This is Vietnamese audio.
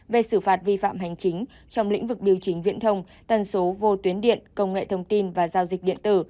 về xử phạt vi phạm hành chính trong lĩnh vực điều chỉnh viện thông tần số vô tuyến điện công nghệ thông tin và giao dịch điện tử